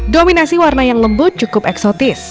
dominasi warna yang lembut cukup eksotis